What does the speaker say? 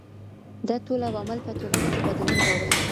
دا ټول عوامل په ټولنه کي بدلون راولي.